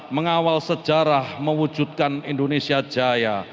mengawal sejarah mewujudkan indonesia jaya